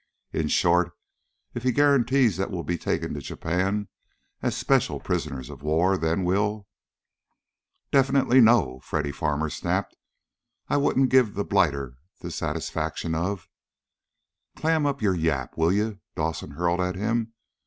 In short, if he guarantees that we'll be taken to Japan as special prisoners of war, then we'll " "Definitely, no!" Freddy Farmer snapped. "I wouldn't give that blighter the satisfaction of " "Clam up your yap, will you?" Dawson hurled at him.